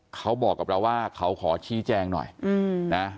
เขาบอกกับเราว่าเขาขอชี้แจงหน่อยนะ